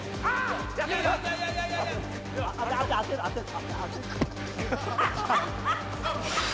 当てる当てる。